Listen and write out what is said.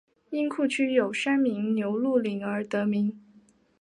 因库区有山名牛路岭而得名。